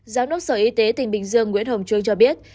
giám đốc sở y tế tỉnh bình dương nguyễn hồng trương cho biết